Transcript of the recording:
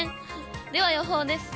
では予報です。